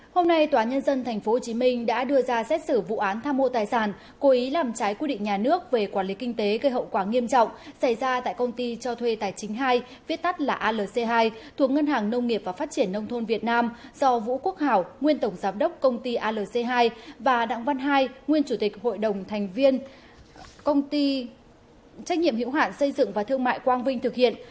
hôm nay tòa nhân dân tp hcm đã đưa ra xét xử vụ án tham mô tài sản cố ý làm trái quy định nhà nước về quản lý kinh tế gây hậu quả nghiêm trọng xảy ra tại công ty cho thuê tài chính hai viết tắt là alc hai thuộc ngân hàng nông nghiệp và phát triển nông thôn việt nam do vũ quốc hảo nguyên tổng giám đốc công ty alc hai và đảng văn hai nguyên chủ tịch hội đồng thành viên công ty trách nhiệm hiệu hạn xây dựng và thương mại quang vinh thực hiện